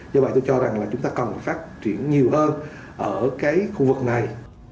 do vậy tôi cho rằng là chúng ta cần phát triển nhiều hơn ở cái khu vực này